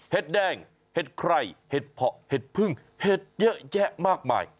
แดงเห็ดใครเห็ดเพาะเห็ดพึ่งเห็ดเยอะแยะมากมาย